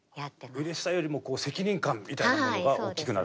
うれしさよりも責任感みたいなものが大きくなる？